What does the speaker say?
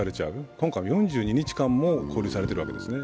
今回、４２日間も勾留されてるわけですね。